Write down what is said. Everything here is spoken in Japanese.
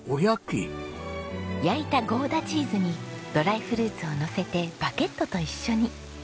焼いたゴーダチーズにドライフルーツをのせてバケットと一緒に。